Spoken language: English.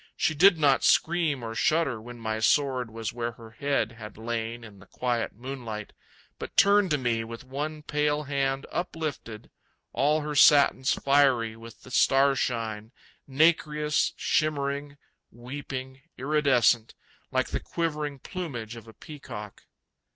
She did not scream or shudder When my sword was where her head had lain In the quiet moonlight; But turned to me with one pale hand uplifted, All her satins fiery with the starshine, Nacreous, shimmering, weeping, iridescent, Like the quivering plumage of a peacock...